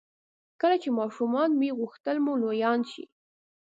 کله چې ماشومان وئ غوښتل مو لویان شئ.